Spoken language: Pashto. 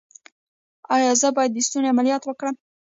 ایا زه باید د ستوني عملیات وکړم؟